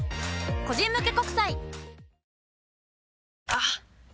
あっ！